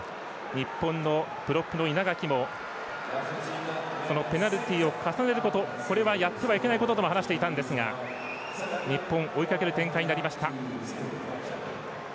日本のプロップの稲垣もそのペナルティを重ねることそれはやってはいけないことと話していたんですが日本追いかける展開になりました。